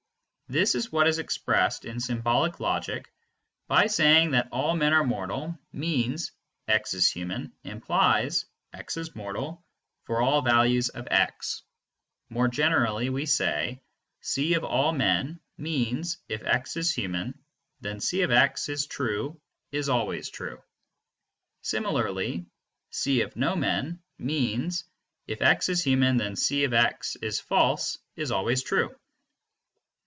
This is what is expressed in symbolic logic by saying that "all men are mortal" means " 'x is human' implies 'x is mortal' for all values of x." More generally, we say: "C (all men)" means " 'If x is human, then C (x) is true' is always true." Similarly "C (no men)" means " 'If x is human, then C (x) is false' is always true."